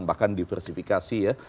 bahkan diversifikasi ya